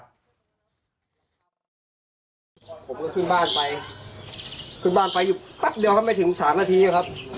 ผมก็ขึ้นบ้านไปขึ้นบ้านไปอยู่แป๊บเดียวก็ไม่ถึงสามนาทีครับ